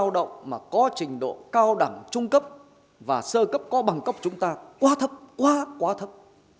lao động mà có trình độ cao đẳng trung cấp và sơ cấp có bằng cấp chúng ta quá thấp quá quá thấp